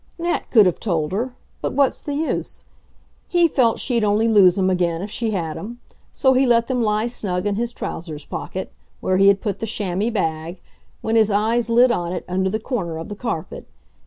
Nat could have told her but what's the use? He felt she'd only lose 'em again if she had 'em. So he let them lie snug in his trousers pocket where he had put the chamois bag, when his eyes lit on it, under the corner of the carpet.